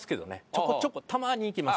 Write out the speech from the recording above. ちょこちょこたまに行きます。